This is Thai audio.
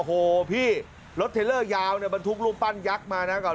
โอ้โหพี่รถเทลเลอร์ยาวเนี่ยบรรทุกรูปปั้นยักษ์มานะครับ